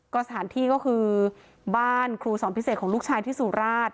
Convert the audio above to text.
ก็สถานที่ก็คือบ้านครูสอนพิเศษของลูกชายที่สุราช